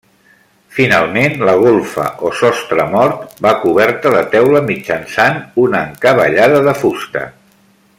Finalment, la golfa o sostre mort va coberta de teula mitjançant una encavallada de fusta.